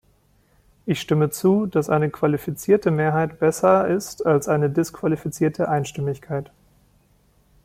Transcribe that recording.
Ich stimme zu, dass eine qualifizierte Mehrheit besser ist als eine disqualifizierte Einstimmigkeit.